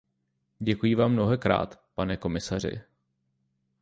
Děkuji vám mnohokrát, pane komisaři.